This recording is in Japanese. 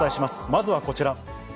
まずはこちら。